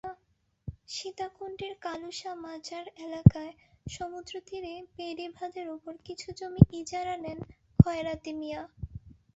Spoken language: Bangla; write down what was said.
সীতাকুণ্ডের কালুশাহ মাজার এলাকায় সমুদ্রতীরে বেড়িবাঁধের ওপর কিছু জমি ইজারা নেন খয়রাতি মিয়া।